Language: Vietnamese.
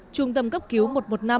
trung tâm cấp cứu một trăm một mươi năm